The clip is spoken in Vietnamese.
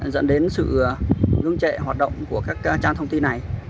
dẫn đến sự ngưng trệ hoạt động của các trang thông tin này